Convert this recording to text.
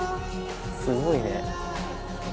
すごいね。